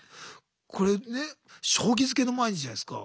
これね将棋づけの毎日じゃないですか。